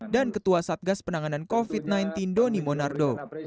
dan ketua satgas penanganan covid sembilan belas doni monardo